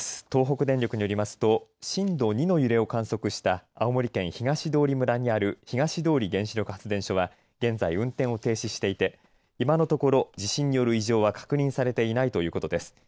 東北電力によりますと震度２の揺れを観測した青森県東通村にある東通原子力発電所は現在運転を停止していて今のところ地震による異常は確認されていないということです。